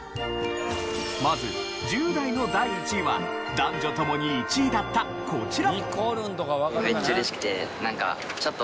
まず１０代の第１位は男女ともに１位だったこちら。